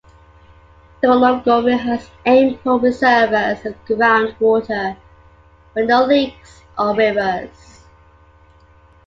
Dornogovi has ample reservers of groundwater, but no lakes or rivers.